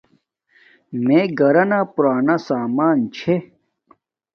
میے کھرانا پورانے سمان چھے